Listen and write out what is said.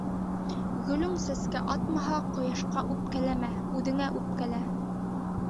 Гөлөң сәскә атмаһа, ҡояшҡа үпкәләмә, үҙеңә үпкәлә.